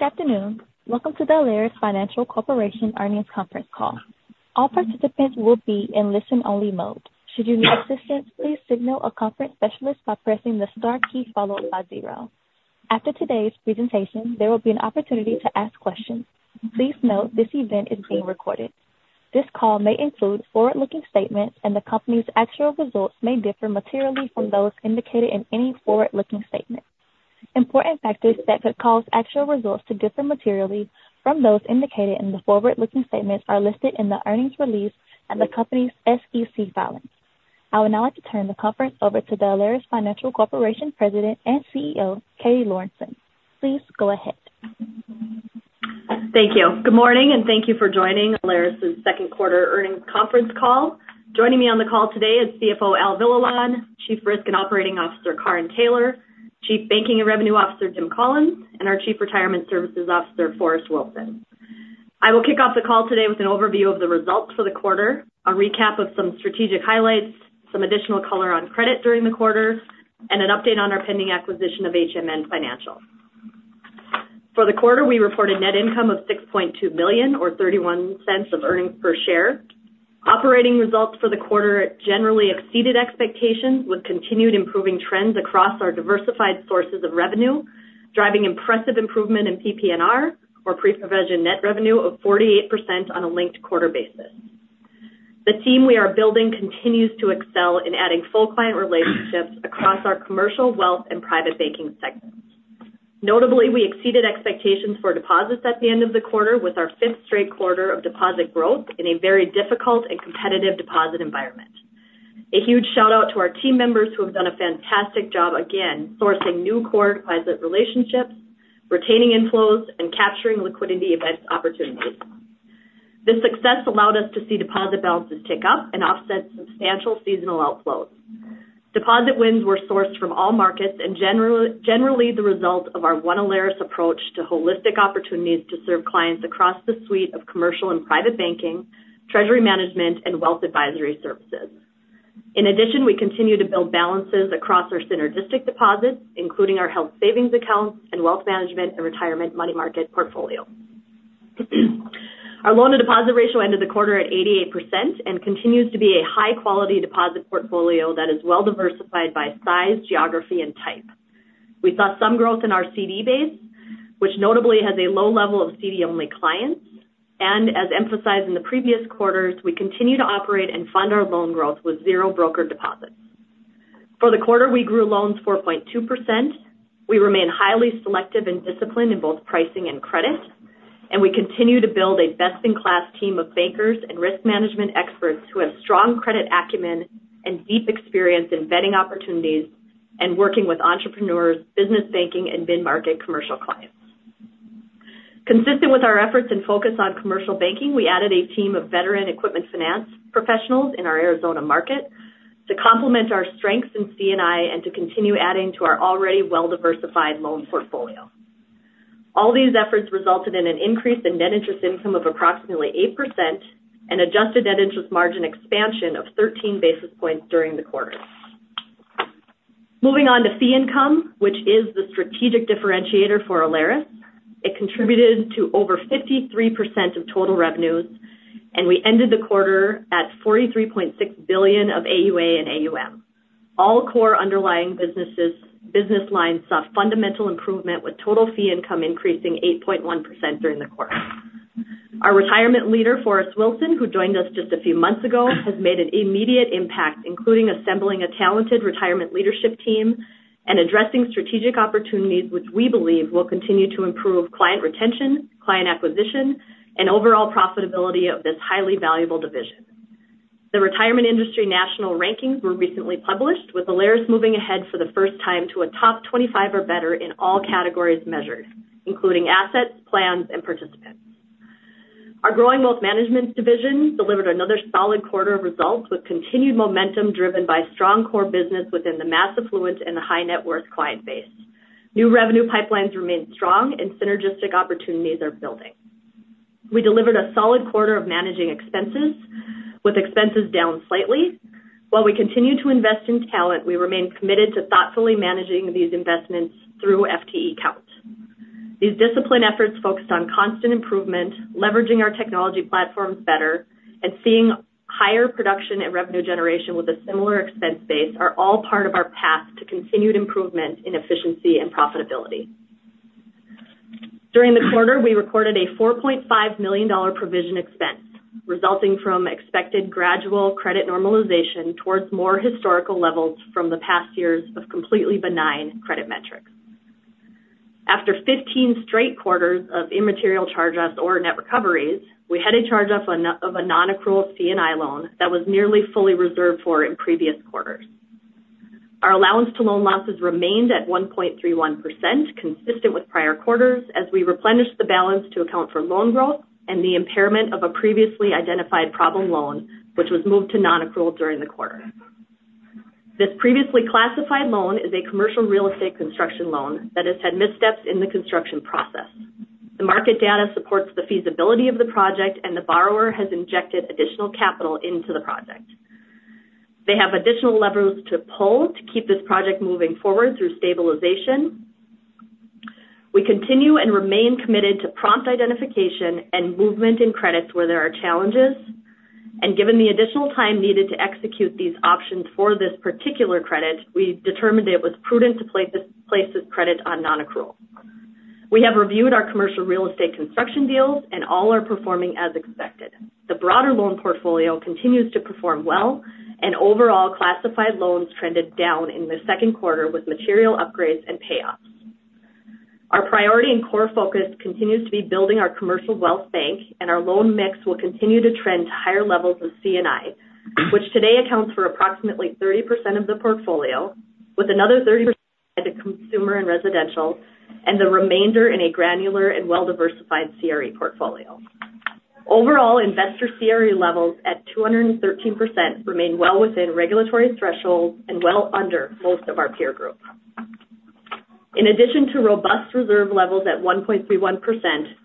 Good afternoon. Welcome to the Alerus Financial Corporation earnings conference call. All participants will be in listen-only mode. Should you need assistance, please signal a conference specialist by pressing the star key followed by zero. After today's presentation, there will be an opportunity to ask questions. Please note this event is being recorded. This call may include forward-looking statements, and the company's actual results may differ materially from those indicated in any forward-looking statement. Important factors that could cause actual results to differ materially from those indicated in the forward-looking statements are listed in the earnings release and the company's SEC filings. I would now like to turn the conference over to the Alerus Financial Corporation President and CEO, Katie Lorenson. Please go ahead. Thank you. Good morning, and thank you for joining Alerus' second quarter earnings conference call. Joining me on the call today is CFO, Al Villalon; Chief Risk and Operating Officer, Karin Taylor; Chief Banking and Revenue Officer, Jim Collins; and our Chief Retirement Services Officer, Forrest Wilson. I will kick off the call today with an overview of the results for the quarter, a recap of some strategic highlights, some additional color on credit during the quarter, and an update on our pending acquisition of HMN Financial. For the quarter, we reported net income of $6.2 million, or $0.31 earnings per share. Operating results for the quarter generally exceeded expectations, with continued improving trends across our diversified sources of revenue, driving impressive improvement in PPNR, or pre-provision net revenue, of 48% on a linked quarter basis. The team we are building continues to excel in adding full client relationships across our commercial, wealth, and private banking segments. Notably, we exceeded expectations for deposits at the end of the quarter, with our fifth straight quarter of deposit growth in a very difficult and competitive deposit environment. A huge shout-out to our team members who have done a fantastic job again sourcing new core deposit relationships, retaining inflows, and capturing liquidity event opportunities. This success allowed us to see deposit balances tick up and offset substantial seasonal outflows. Deposit wins were sourced from all markets and generally the result of our One Alerus approach to holistic opportunities to serve clients across the suite of commercial and private banking, treasury management, and wealth advisory services. In addition, we continue to build balances across our synergistic deposits, including our health savings accounts and wealth management and retirement money market portfolio. Our loan-to-deposit ratio ended the quarter at 88% and continues to be a high-quality deposit portfolio that is well diversified by size, geography, and type. We saw some growth in our CD base, which notably has a low level of CD-only clients. As emphasized in the previous quarters, we continue to operate and fund our loan growth with zero broker deposits. For the quarter, we grew loans 4.2%. We remain highly selective and disciplined in both pricing and credit, and we continue to build a best-in-class team of bankers and risk management experts who have strong credit acumen and deep experience in vetting opportunities and working with entrepreneurs, business banking, and mid-market commercial clients. Consistent with our efforts and focus on commercial banking, we added a team of veteran equipment finance professionals in our Arizona market to complement our strengths in C&I and to continue adding to our already well-diversified loan portfolio. All these efforts resulted in an increase in net interest income of approximately 8% and adjusted net interest margin expansion of 13 basis points during the quarter. Moving on to fee income, which is the strategic differentiator for Alerus. It contributed to over 53% of total revenues, and we ended the quarter at $43.6 billion of AUA and AUM. All core underlying business lines saw fundamental improvement, with total fee income increasing 8.1% during the quarter. Our retirement leader, Forrest Wilson, who joined us just a few months ago, has made an immediate impact, including assembling a talented retirement leadership team and addressing strategic opportunities, which we believe will continue to improve client retention, client acquisition, and overall profitability of this highly valuable division. The retirement industry national rankings were recently published, with Alerus moving ahead for the first time to a top 25 or better in all categories measured, including assets, plans, and participants. Our growing wealth management division delivered another solid quarter of results, with continued momentum driven by strong core business within the mass affluent and the high net worth client base. New revenue pipelines remain strong, and synergistic opportunities are building. We delivered a solid quarter of managing expenses, with expenses down slightly. While we continue to invest in talent, we remain committed to thoughtfully managing these investments through FTE count. These disciplined efforts focused on constant improvement, leveraging our technology platforms better, and seeing higher production and revenue generation with a similar expense base are all part of our path to continued improvement in efficiency and profitability. During the quarter, we recorded a $4.5 million provision expense, resulting from expected gradual credit normalization towards more historical levels from the past years of completely benign credit metrics. After 15 straight quarters of immaterial charge-offs or net recoveries, we had a charge-off of a non-accrual C&I loan that was nearly fully reserved for in previous quarters. Our allowance for loan losses remained at 1.31%, consistent with prior quarters, as we replenished the balance to account for loan growth and the impairment of a previously identified problem loan, which was moved to non-accrual during the quarter. This previously classified loan is a commercial real estate construction loan that has had missteps in the construction process. The market data supports the feasibility of the project, and the borrower has injected additional capital into the project. They have additional levers to pull to keep this project moving forward through stabilization. We continue and remain committed to prompt identification and movement in credits where there are challenges. Given the additional time needed to execute these options for this particular credit, we determined it was prudent to place this credit on non-accrual. We have reviewed our commercial real estate construction deals, and all are performing as expected. The broader loan portfolio continues to perform well, and overall classified loans trended down in the second quarter with material upgrades and payoffs. Our priority and core focus continues to be building our commercial wealth bank, and our loan mix will continue to trend to higher levels of C&I, which today accounts for approximately 30% of the portfolio, with another 30% in consumer and residential, and the remainder in a granular and well-diversified CRE portfolio. Overall, investor CRE levels at 213% remain well within regulatory thresholds and well under most of our peer group. In addition to robust reserve levels at 1.31%,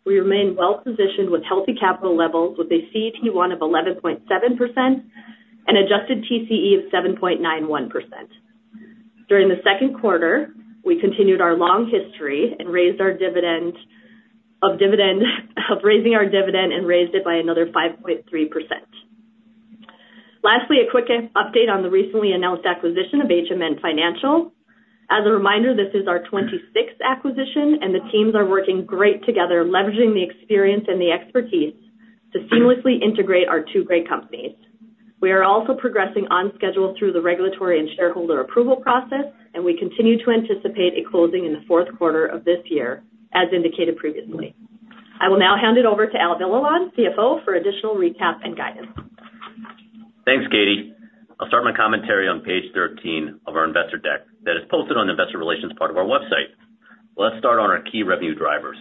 we remain well positioned with healthy capital levels, with a CET1 of 11.7% and adjusted TCE of 7.91%. During the second quarter, we continued our long history of raising our dividend and raised it by another 5.3%. Lastly, a quick update on the recently announced acquisition of HMN Financial. As a reminder, this is our 26th acquisition, and the teams are working great together, leveraging the experience and the expertise to seamlessly integrate our two great companies. We are also progressing on schedule through the regulatory and shareholder approval process, and we continue to anticipate a closing in the fourth quarter of this year, as indicated previously. I will now hand it over to Al Villalon, CFO, for additional recap and guidance. Thanks, Katie. I'll start my commentary on page 13 of our investor deck that is posted on the investor relations part of our website. Let's start on our key revenue drivers.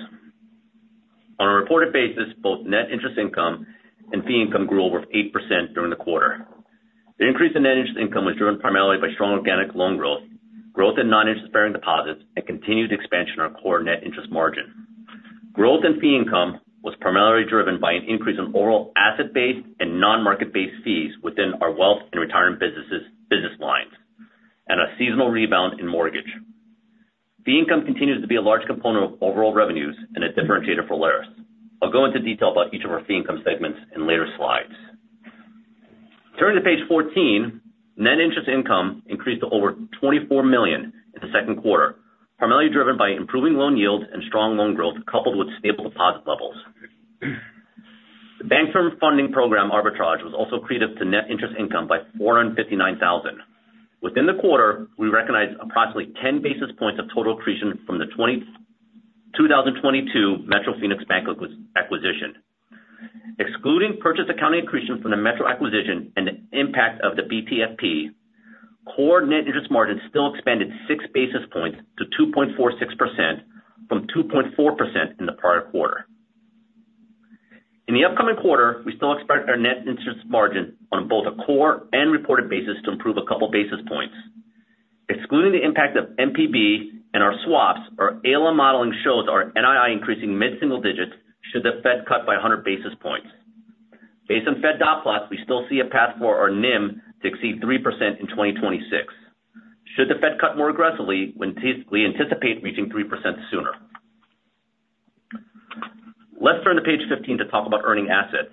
On a reported basis, both net interest income and fee income grew over 8% during the quarter. The increase in net interest income was driven primarily by strong organic loan growth, growth in non-interest-bearing deposits, and continued expansion of our core net interest margin. Growth in fee income was primarily driven by an increase in overall asset-based and non-market-based fees within our wealth and retirement business lines and a seasonal rebound in mortgage. Fee income continues to be a large component of overall revenues and a differentiator for Alerus. I'll go into detail about each of our fee income segments in later slides. Turning to page 14, net interest income increased to over $24 million in the second quarter, primarily driven by improving loan yields and strong loan growth coupled with stable deposit levels. The Bank Term Funding Program arbitrage was also contributed to net interest income by $459,000. Within the quarter, we recognized approximately 10 basis points of total accretion from the 2022 Metro Phoenix Bank acquisition. Excluding purchase accounting accretion from the Metro acquisition and the impact of the BTFP, core net interest margin still expanded 6 basis points to 2.46% from 2.4% in the prior quarter. In the upcoming quarter, we still expect our net interest margin on both a core and reported basis to improve a couple of basis points. Excluding the impact of MPB and our swaps, our ALM modeling shows our NII increasing mid-single digits should the Fed cut by 100 basis points. Based on Fed dot plots, we still see a path for our NIM to exceed 3% in 2026. Should the Fed cut more aggressively, we anticipate reaching 3% sooner. Let's turn to page 15 to talk about earning assets.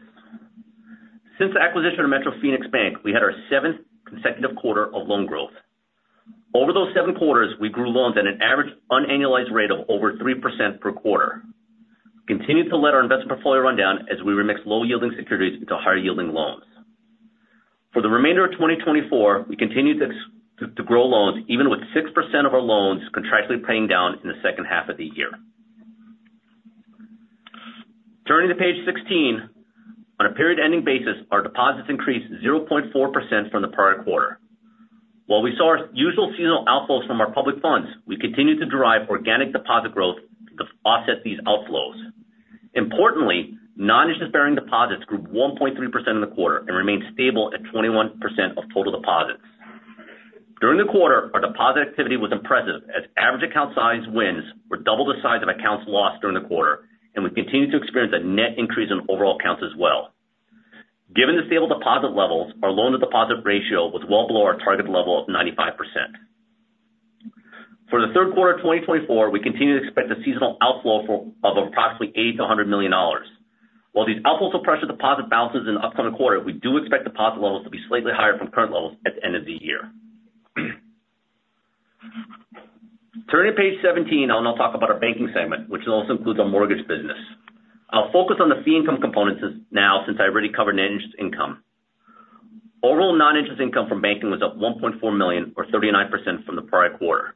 Since the acquisition of Metro Phoenix Bank, we had our seventh consecutive quarter of loan growth. Over those seven quarters, we grew loans at an average unannualized rate of over 3% per quarter. We continued to let our investment portfolio run down as we remixed low-yielding securities into higher-yielding loans. For the remainder of 2024, we continued to grow loans, even with 6% of our loans contractually paying down in the second half of the year. Turning to page 16, on a period-ending basis, our deposits increased 0.4% from the prior quarter. While we saw our usual seasonal outflows from our public funds, we continued to derive organic deposit growth to offset these outflows. Importantly, non-interest-bearing deposits grew 1.3% in the quarter and remained stable at 21% of total deposits. During the quarter, our deposit activity was impressive, as average account size wins were double the size of accounts lost during the quarter, and we continued to experience a net increase in overall accounts as well. Given the stable deposit levels, our loan-to-deposit ratio was well below our target level of 95%. For the third quarter of 2024, we continue to expect a seasonal outflow of approximately $80 million-$100 million. While these outflows will pressure deposit balances in the upcoming quarter, we do expect deposit levels to be slightly higher from current levels at the end of the year. Turning to page 17, I'll now talk about our banking segment, which also includes our mortgage business. I'll focus on the fee income component now since I already covered net interest income. Overall non-interest income from banking was up $1.4 million, or 39% from the prior quarter.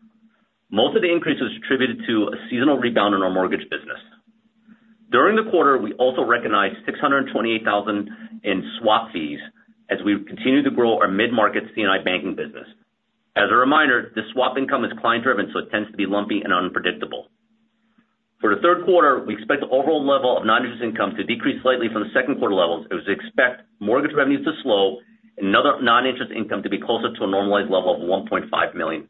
Most of the increase was attributed to a seasonal rebound in our mortgage business. During the quarter, we also recognized $628,000 in swap fees as we continued to grow our mid-market C&I banking business. As a reminder, this swap income is client-driven, so it tends to be lumpy and unpredictable. For the third quarter, we expect the overall level of non-interest income to decrease slightly from the second quarter levels. It was expected mortgage revenues to slow and another non-interest income to be closer to a normalized level of $1.5 million.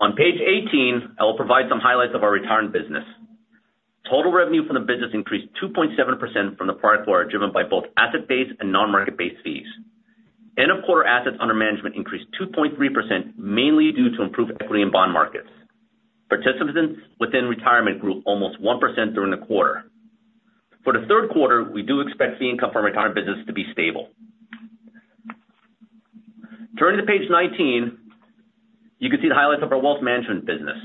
On page 18, I will provide some highlights of our retirement business. Total revenue from the business increased 2.7% from the prior quarter, driven by both asset-based and non-market-based fees. End-of-quarter assets under management increased 2.3%, mainly due to improved equity and bond markets. Participants within retirement grew almost 1% during the quarter. For the third quarter, we do expect fee income from retirement business to be stable. Turning to page 19, you can see the highlights of our wealth management business.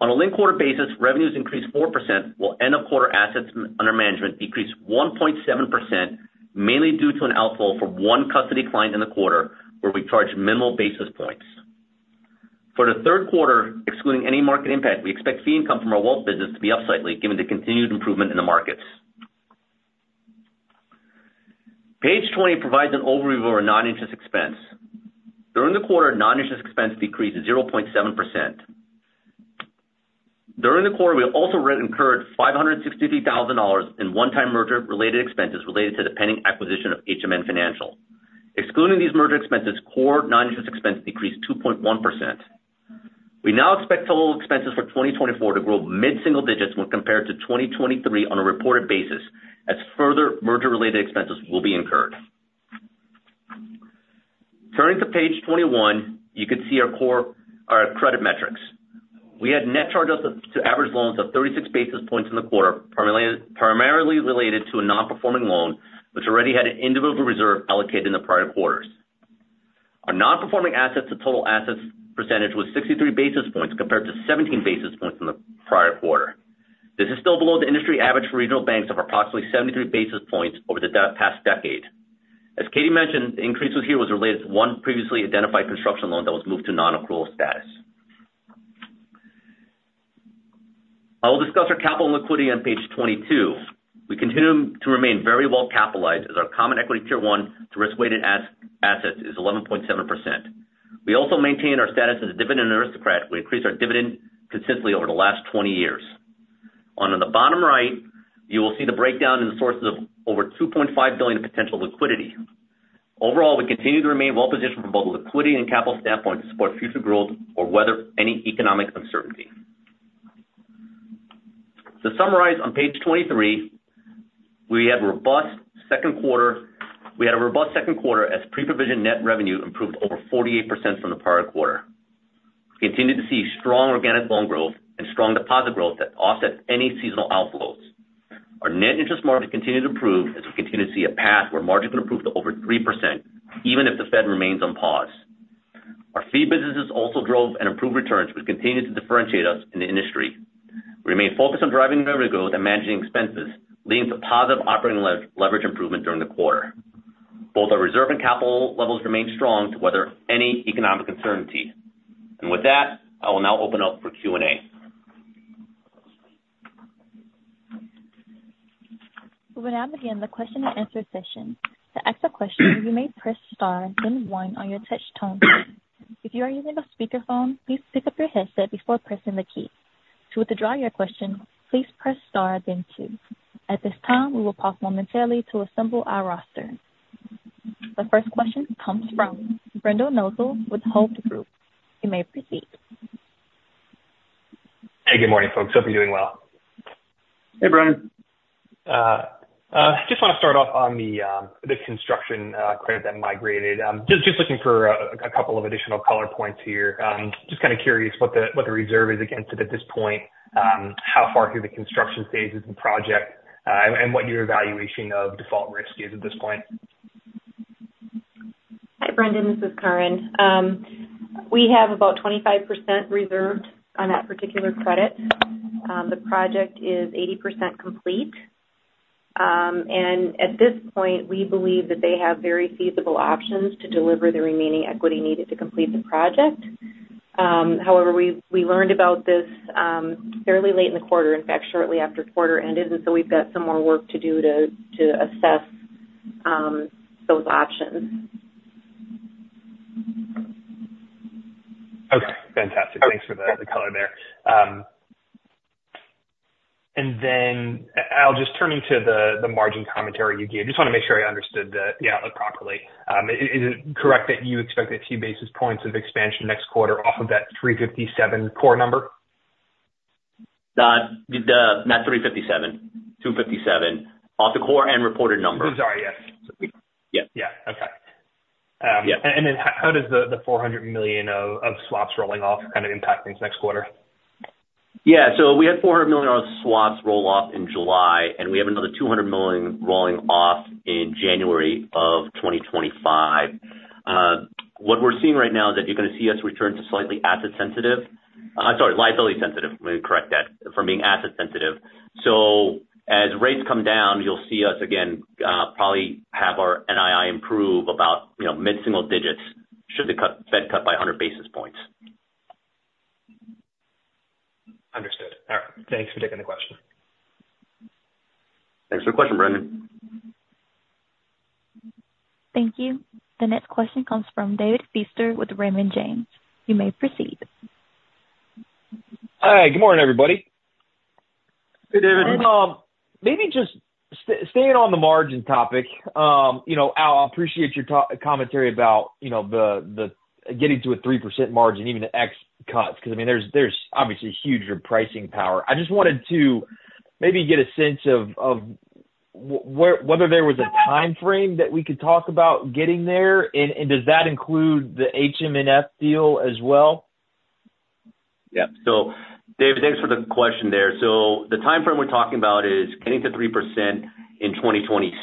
On a link quarter basis, revenues increased 4%, while end-of-quarter assets under management decreased 1.7%, mainly due to an outflow from one custody client in the quarter where we charged minimal basis points. For the third quarter, excluding any market impact, we expect fee income from our wealth business to be up slightly given the continued improvement in the markets. Page 20 provides an overview of our non-interest expense. During the quarter, non-interest expense decreased 0.7%. During the quarter, we also incurred $563,000 in one-time merger-related expenses related to the pending acquisition of HMN Financial. Excluding these merger expenses, core non-interest expense decreased 2.1%. We now expect total expenses for 2024 to grow mid-single digits when compared to 2023 on a reported basis, as further merger-related expenses will be incurred. Turning to page 21, you can see our credit metrics. We had net charges to average loans of 36 basis points in the quarter, primarily related to a non-performing loan, which already had an individual reserve allocated in the prior quarters. Our non-performing assets to total assets percentage was 63 basis points compared to 17 basis points in the prior quarter. This is still below the industry average for regional banks of approximately 73 basis points over the past decade. As Katie mentioned, the increase here was related to one previously identified construction loan that was moved to non-accrual status. I will discuss our capital and liquidity on page 22. We continue to remain very well capitalized, as our common equity tier 1 to risk-weighted assets is 11.7%. We also maintain our status as a dividend aristocrat. We increased our dividend consistently over the last 20 years. On the bottom right, you will see the breakdown in the sources of over $2.5 billion of potential liquidity. Overall, we continue to remain well positioned from both a liquidity and capital standpoint to support future growth or weather any economic uncertainty. To summarize, on page 23, we had a robust second quarter. We had a robust second quarter as pre-provision net revenue improved over 48% from the prior quarter. We continue to see strong organic loan growth and strong deposit growth that offsets any seasonal outflows. Our net interest margin continued to improve as we continue to see a path where margins can improve to over 3%, even if the Fed remains on pause. Our fee businesses also drove and improved returns, which continued to differentiate us in the industry. We remain focused on driving revenue growth and managing expenses, leading to positive operating leverage improvement during the quarter. Both our reserve and capital levels remained strong to weather any economic uncertainty. With that, I will now open up for Q&A. We will now begin the question-and-answer session. To ask a question, you may press star then one on your touchtone. If you are using a speakerphone, please pick up your headset before pressing the key. To withdraw your question, please press star then two. At this time, we will pause momentarily to assemble our roster. The first question comes from Brendan Nosal with Hovde Group. You may proceed. Hey, good morning, folks. Hope you're doing well. Hey, Brendan. Just want to start off on the construction credit that migrated. Just kind of curious what the reserve is against it at this point, how far through the construction phase is the project, and what your evaluation of default risk is at this point? Hi, Brendan. This is Karin. We have about 25% reserved on that particular credit. The project is 80% complete. At this point, we believe that they have very feasible options to deliver the remaining equity needed to complete the project. However, we learned about this fairly late in the quarter, in fact, shortly after quarter ended, and so we've got some more work to do to assess those options. Okay. Fantastic. Thanks for the color there. And then I'll just turn you to the margin commentary you gave. Just want to make sure I understood the outlook properly. Is it correct that you expect a few basis points of expansion next quarter off of that 357 core number? Not 357, 257 off the core and reported number. Sorry. Yes. Yeah. Okay. And then how does the $400 million of swaps rolling off kind of impact things next quarter? Yeah. So we had $400 million of swaps roll off in July, and we have another $200 million rolling off in January of 2025. What we're seeing right now is that you're going to see us return to slightly asset-sensitive. Sorry, liability-sensitive. Let me correct that from being asset-sensitive. So as rates come down, you'll see us again probably have our NII improve about mid-single digits should the Fed cut by 100 basis points. Understood. All right. Thanks for taking the question. Thanks for the question, Brendan. Thank you. The next question comes from David Feaster with Raymond James. You may proceed. Hi. Good morning, everybody. Hey, David. Hey. Maybe just staying on the margin topic, I appreciate your commentary about getting to a 3% margin, even at X cuts, because I mean, there's obviously huge repricing power. I just wanted to maybe get a sense of whether there was a timeframe that we could talk about getting there, and does that include the HMNF deal as well? Yeah. So David, thanks for the question there. So the timeframe we're talking about is getting to 3% in 2026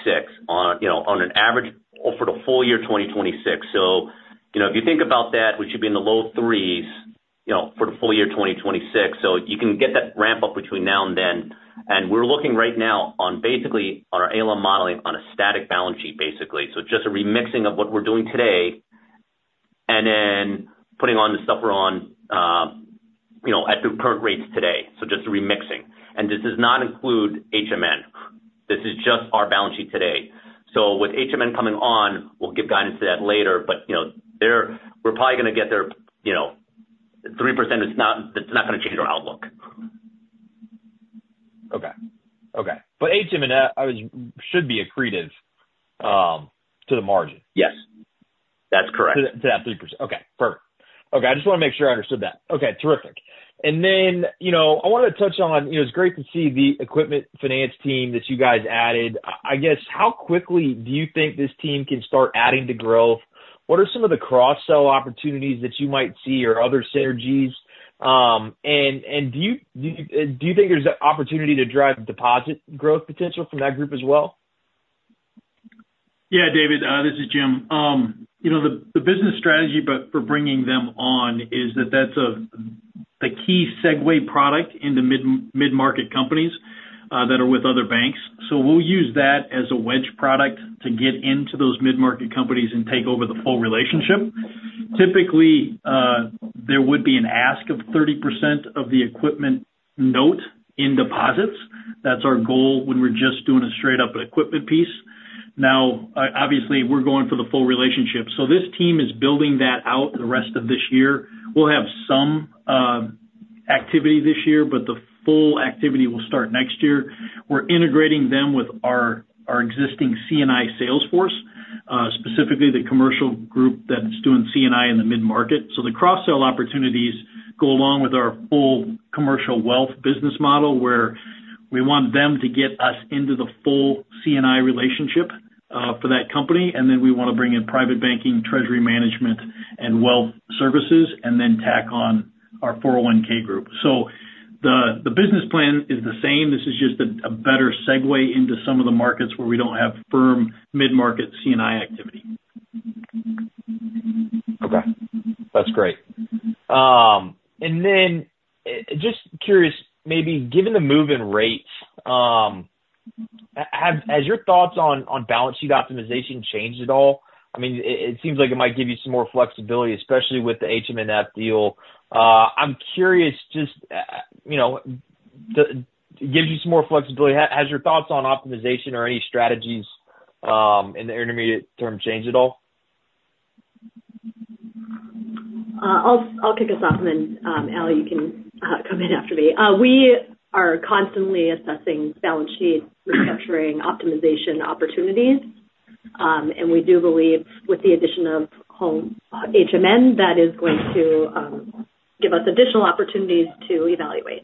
on an average, for the full year 2026. So if you think about that, we should be in the low threes for the full year 2026. So you can get that ramp up between now and then. And we're looking right now on basically our ALM modeling on a static balance sheet, basically. So just a remixing of what we're doing today and then putting on the stuff we're on at the current rates today. So just a remixing. And this does not include HMN. This is just our balance sheet today. So with HMN coming on, we'll give guidance to that later, but we're probably going to get there 3%. It's not going to change our outlook. Okay. Okay. But HMNF should be accretive to the margin. Yes. That's correct. To that 3%. Okay. Perfect. Okay. I just want to make sure I understood that. Okay. Terrific. And then I wanted to touch on it. It's great to see the equipment finance team that you guys added. I guess, how quickly do you think this team can start adding to growth? What are some of the cross-sell opportunities that you might see or other synergies? And do you think there's an opportunity to drive deposit growth potential from that group as well? Yeah, David. This is Jim. The business strategy for bringing them on is that that's the key segue product into mid-market companies that are with other banks. So we'll use that as a wedge product to get into those mid-market companies and take over the full relationship. Typically, there would be an ask of 30% of the equipment note in deposits. That's our goal when we're just doing a straight-up equipment piece. Now, obviously, we're going for the full relationship. So this team is building that out the rest of this year. We'll have some activity this year, but the full activity will start next year. We're integrating them with our existing C&I sales force, specifically the commercial group that's doing C&I in the mid-market. The cross-sell opportunities go along with our full commercial wealth business model, where we want them to get us into the full C&I relationship for that company. Then we want to bring in private banking, treasury management, and wealth services, and then tack on our 401(k) group. The business plan is the same. This is just a better segue into some of the markets where we don't have firm mid-market C&I activity. Okay. That's great. And then just curious, maybe given the move in rates, have your thoughts on balance sheet optimization changed at all? I mean, it seems like it might give you some more flexibility, especially with the HMNF deal. I'm curious, just gives you some more flexibility. Has your thoughts on optimization or any strategies in the intermediate term changed at all? I'll kick us off, and then Al, you can come in after me. We are constantly assessing balance sheet restructuring optimization opportunities. We do believe with the addition of HMN, that is going to give us additional opportunities to evaluate.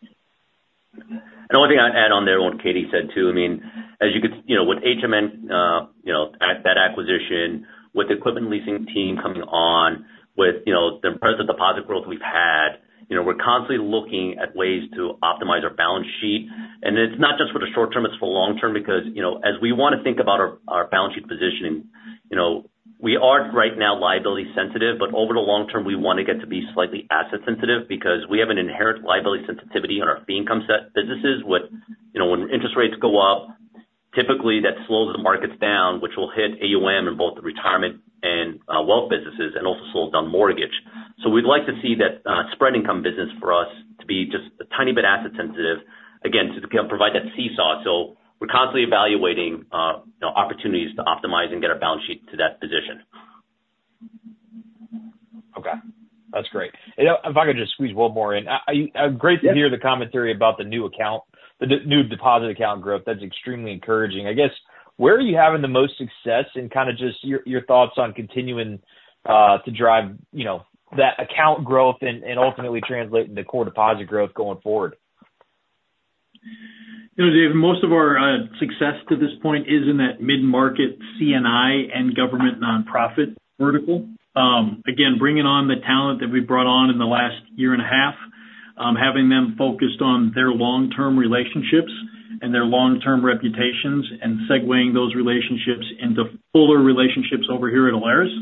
One thing I'd add on there on what Katie said too. I mean, as you could with HMN, that acquisition, with the equipment leasing team coming on, with the deposit growth we've had, we're constantly looking at ways to optimize our balance sheet. And it's not just for the short term. It's for the long term because as we want to think about our balance sheet positioning, we are right now liability-sensitive, but over the long term, we want to get to be slightly asset-sensitive because we have an inherent liability sensitivity on our fee income businesses. When interest rates go up, typically that slows the markets down, which will hit AUM and both the retirement and wealth businesses and also slows down mortgage. So we'd like to see that spread income business for us to be just a tiny bit asset-sensitive, again, to provide that seesaw. So we're constantly evaluating opportunities to optimize and get our balance sheet to that position. Okay. That's great. If I could just squeeze one more in. Great to hear the commentary about the new account, the new deposit account growth. That's extremely encouraging. I guess, where are you having the most success in kind of just your thoughts on continuing to drive that account growth and ultimately translating to core deposit growth going forward? David, most of our success to this point is in that mid-market C&I and government nonprofit vertical. Again, bringing on the talent that we brought on in the last year and a half, having them focused on their long-term relationships and their long-term reputations and segueing those relationships into fuller relationships over here at Alerus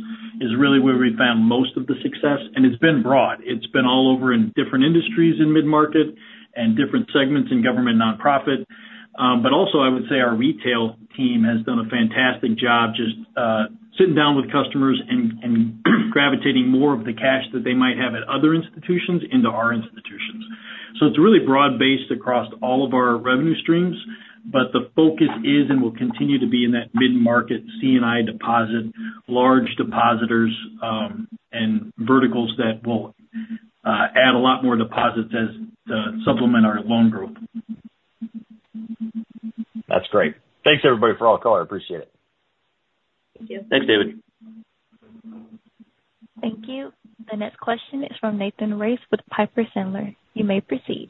is really where we found most of the success. And it's been broad. It's been all over in different industries in mid-market and different segments in government nonprofit. But also, I would say our retail team has done a fantastic job just sitting down with customers and gravitating more of the cash that they might have at other institutions into our institutions. It's really broad-based across all of our revenue streams, but the focus is and will continue to be in that mid-market C&I deposit, large depositors, and verticals that will add a lot more deposits to supplement our loan growth. That's great. Thanks, everybody, for all the color. I appreciate it. Thank you. Thanks, David. Thank you. The next question is from Nathan Race with Piper Sandler. You may proceed.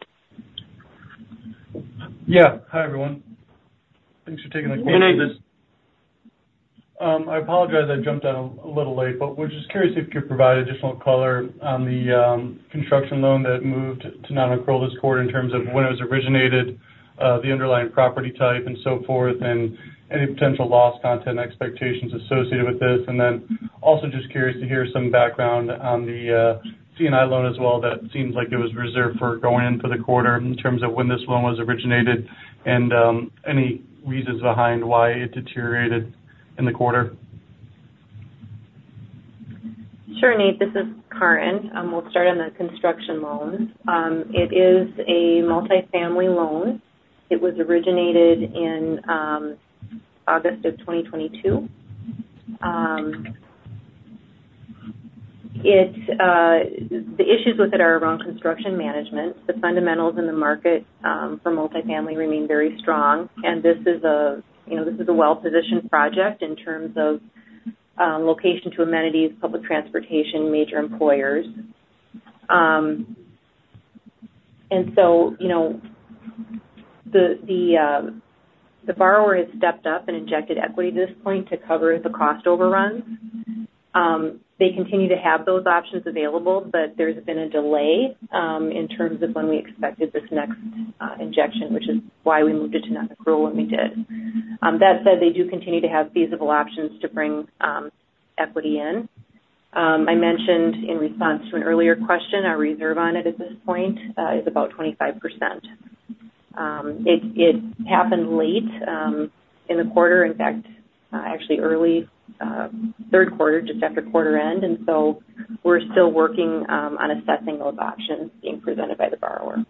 Yeah. Hi, everyone. Thanks for taking the call. I apologize. I jumped on a little late, but we're just curious if you could provide additional color on the construction loan that moved to non-accrual this quarter in terms of when it was originated, the underlying property type, and so forth, and any potential loss content expectations associated with this. And then also just curious to hear some background on the C&I loan as well that seems like it was reserved for going into the quarter in terms of when this loan was originated and any reasons behind why it deteriorated in the quarter. Sure, Nate. This is Karin. We'll start on the construction loan. It is a multifamily loan. It was originated in August of 2022. The issues with it are around construction management. The fundamentals in the market for multifamily remain very strong. And this is a well-positioned project in terms of location to amenities, public transportation, major employers. And so the borrower has stepped up and injected equity to this point to cover the cost overruns. They continue to have those options available, but there's been a delay in terms of when we expected this next injection, which is why we moved it to non-accrual when we did. That said, they do continue to have feasible options to bring equity in. I mentioned in response to an earlier question, our reserve on it at this point is about 25%. It happened late in the quarter. In fact, actually, early third quarter, just after quarter end. And so we're still working on assessing those options being presented by the borrower.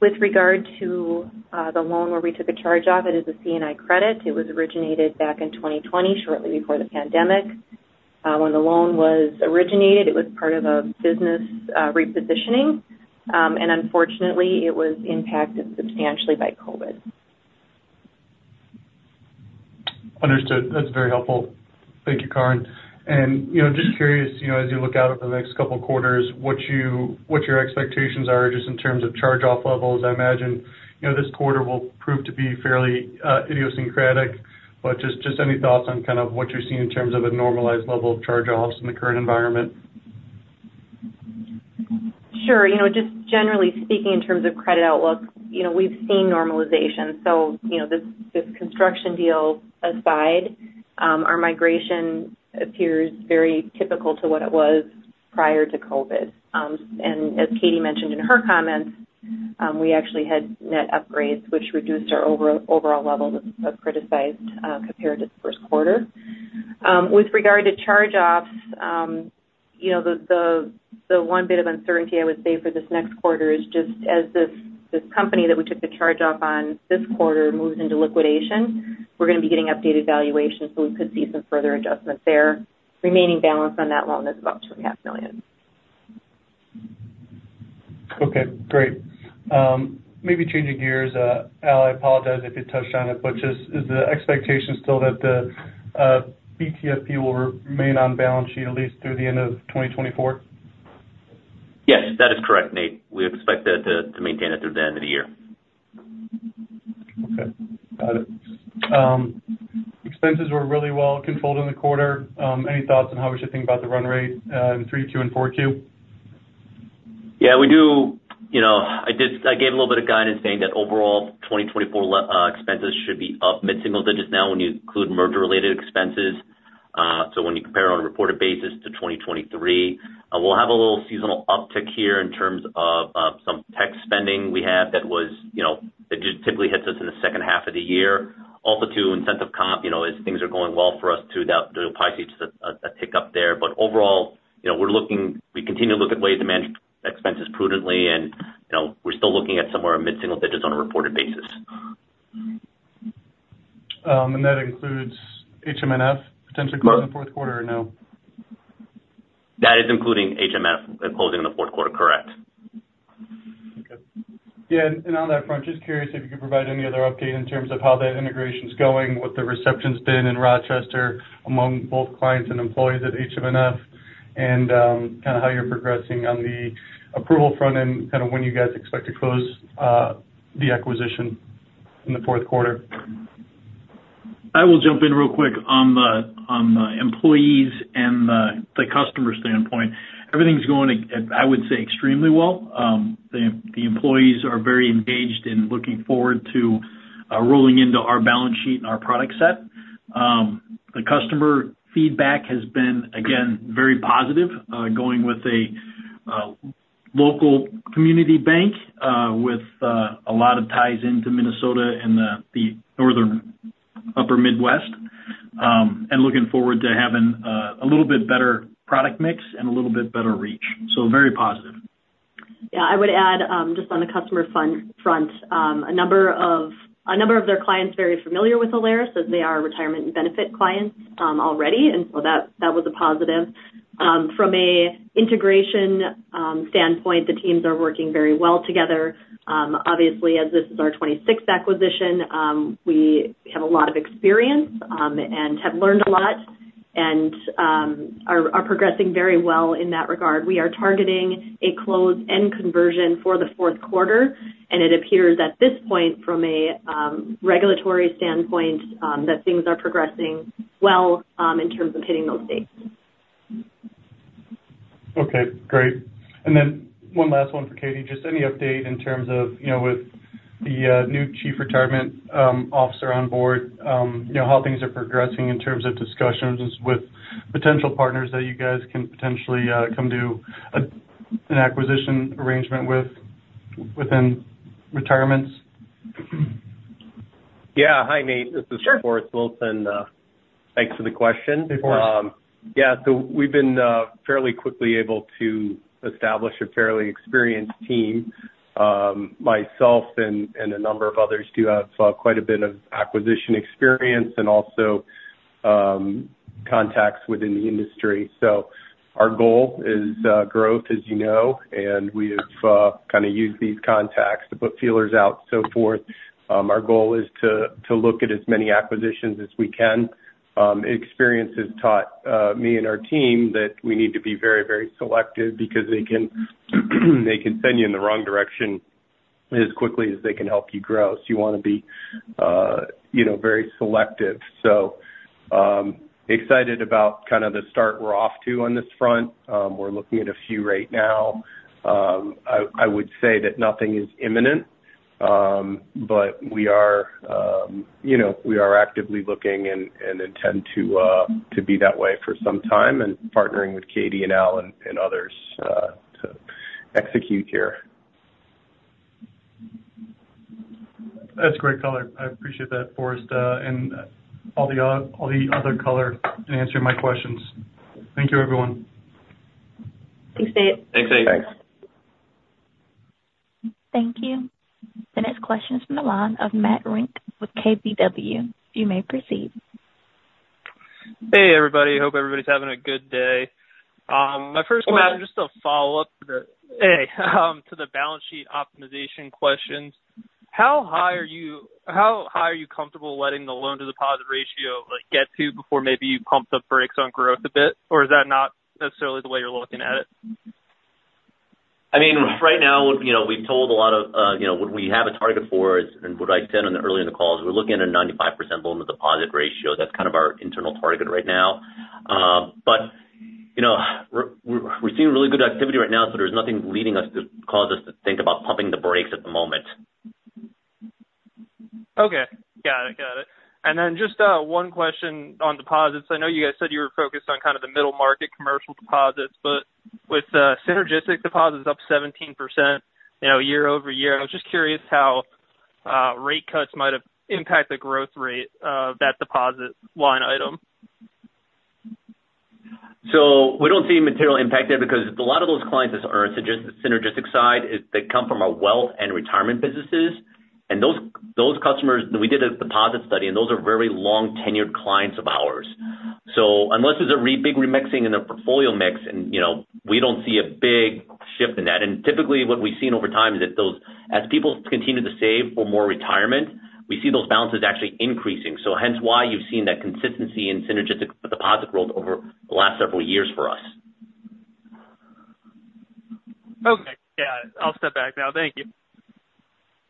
With regard to the loan where we took a charge off, it is a C&I credit. It was originated back in 2020, shortly before the pandemic. When the loan was originated, it was part of a business repositioning. And unfortunately, it was impacted substantially by COVID. Understood. That's very helpful. Thank you, Karin. And just curious, as you look out over the next couple of quarters, what your expectations are just in terms of charge-off levels. I imagine this quarter will prove to be fairly idiosyncratic, but just any thoughts on kind of what you're seeing in terms of a normalized level of charge-offs in the current environment? Sure. Just generally speaking, in terms of credit outlook, we've seen normalization. So this construction deal aside, our migration appears very typical to what it was prior to COVID. And as Katie mentioned in her comments, we actually had net upgrades, which reduced our overall level of criticized compared to the first quarter. With regard to charge-offs, the one bit of uncertainty I would say for this next quarter is just as this company that we took the charge-off on this quarter moves into liquidation, we're going to be getting updated valuations. So we could see some further adjustments there. Remaining balance on that loan is about $2.5 million. Okay. Great. Maybe changing gears. Al, I apologize if you touched on it, but is the expectation still that the BTFP will remain on balance sheet at least through the end of 2024? Yes, that is correct, Nate. We expect that to maintain it through the end of the year. Okay. Got it. Expenses were really well controlled in the quarter. Any thoughts on how we should think about the run rate in 3Q and 4Q? Yeah. I gave a little bit of guidance saying that overall 2024 expenses should be up mid-single digits now when you include merger-related expenses. So when you compare on a reported basis to 2023, we'll have a little seasonal uptick here in terms of some tech spending we have that typically hits us in the second half of the year. Also too, incentive comp, as things are going well for us, too, the price is a tick up there. But overall, we continue to look at ways to manage expenses prudently, and we're still looking at somewhere mid-single digits on a reported basis. That includes HMNF potentially closing the fourth quarter or no? That is including HMNF closing the fourth quarter. Correct. Okay. Yeah. And on that front, just curious if you could provide any other update in terms of how that integration's going with the reception's been in Rochester among both clients and employees at HMNF and kind of how you're progressing on the approval front end, kind of when you guys expect to close the acquisition in the fourth quarter? I will jump in real quick on the employees and the customer standpoint. Everything's going, I would say, extremely well. The employees are very engaged and looking forward to rolling into our balance sheet and our product set. The customer feedback has been, again, very positive, going with a local community bank with a lot of ties into Minnesota and the northern upper Midwest and looking forward to having a little bit better product mix and a little bit better reach. So very positive. Yeah. I would add, just on the customer front, a number of their clients are very familiar with Alerus as they are retirement benefit clients already. And so that was a positive. From an integration standpoint, the teams are working very well together. Obviously, as this is our 26th acquisition, we have a lot of experience and have learned a lot and are progressing very well in that regard. We are targeting a close and conversion for the fourth quarter. And it appears at this point, from a regulatory standpoint, that things are progressing well in terms of hitting those dates. Okay. Great. And then one last one for Katie. Just any update in terms of with the new Chief Retirement Officer on board, how things are progressing in terms of discussions with potential partners that you guys can potentially come to an acquisition arrangement with within retirements? Yeah. Hi, Nate. This is Forrest Wilson. Thanks for the question. Hey, Forrest. Yeah. So we've been fairly quickly able to establish a fairly experienced team. Myself and a number of others do have quite a bit of acquisition experience and also contacts within the industry. So our goal is growth, as you know, and we have kind of used these contacts to put feelers out and so forth. Our goal is to look at as many acquisitions as we can. Experience has taught me and our team that we need to be very, very selective because they can send you in the wrong direction as quickly as they can help you grow. So you want to be very selective. So excited about kind of the start we're off to on this front. We're looking at a few right now. I would say that nothing is imminent, but we are actively looking and intend to be that way for some time and partnering with Katie and Al and others to execute here. That's great color. I appreciate that, Forrest, and all the other color in answering my questions. Thank you, everyone. Thanks, Nate. Thanks, Nate. Thanks. Thank you. The next question is from the line of Matt Rink with KBW. You may proceed. Hey, everybody. Hope everybody's having a good day. My first question is just a follow-up to the balance sheet optimization questions. How are you comfortable letting the loan-to-deposit ratio get to before maybe you pump the brakes on growth a bit? Or is that not necessarily the way you're looking at it? I mean, right now, we've told a lot of what we have a target for, and what I said earlier in the call is we're looking at a 95% loan-to-deposit ratio. That's kind of our internal target right now. But we're seeing really good activity right now, so there's nothing leading us to cause us to think about pumping the brakes at the moment. Okay. Got it. Got it. And then just one question on deposits. I know you guys said you were focused on kind of the middle market commercial deposits, but with synergistic deposits up 17% year-over-year, I was just curious how rate cuts might impact the growth rate of that deposit line item. So we don't see material impact there because a lot of those clients that are on the synergistic side, they come from our wealth and retirement businesses. And those customers, we did a deposit study, and those are very long-tenured clients of ours. So unless there's a big remixing in their portfolio mix, and we don't see a big shift in that. And typically, what we've seen over time is that as people continue to save for more retirement, we see those balances actually increasing. So hence why you've seen that consistency in synergistic deposit growth over the last several years for us. Okay. Yeah. I'll step back now. Thank you.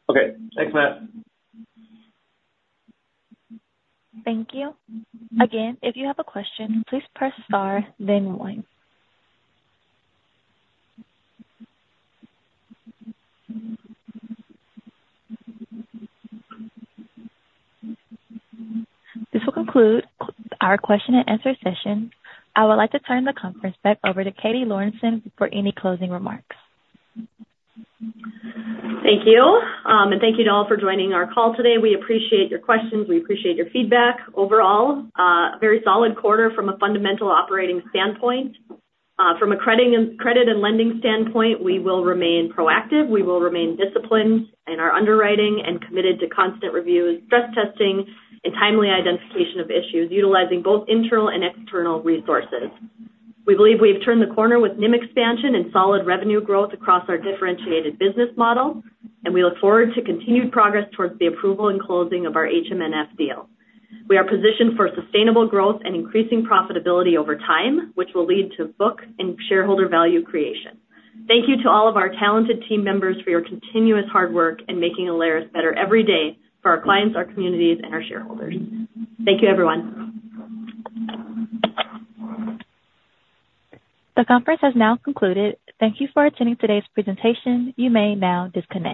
Okay. Thanks, Matt. Thank you. Again, if you have a question, please press star, then one. This will conclude our question-and-answer session. I would like to turn the conference back over to Katie Lorenson for any closing remarks. Thank you. Thank you to all for joining our call today. We appreciate your questions. We appreciate your feedback overall. Very solid quarter from a fundamental operating standpoint. From a credit and lending standpoint, we will remain proactive. We will remain disciplined in our underwriting and committed to constant reviews, stress testing, and timely identification of issues, utilizing both internal and external resources. We believe we have turned the corner with NIM expansion and solid revenue growth across our differentiated business model, and we look forward to continued progress towards the approval and closing of our HMNF deal. We are positioned for sustainable growth and increasing profitability over time, which will lead to book and shareholder value creation. Thank you to all of our talented team members for your continuous hard work in making Alerus better every day for our clients, our communities, and our shareholders. Thank you, everyone. The conference has now concluded. Thank you for attending today's presentation. You may now disconnect.